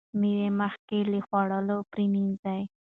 مېوه مخکې له خوړلو پریمنځئ.